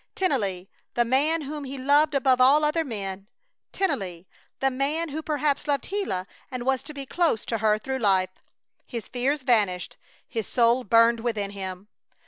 Tennelly, the man whom he loved above all other men! Tennelly, the man who perhaps loved Gila and was to be close to her through life! His fears vanished. His soul burned within him.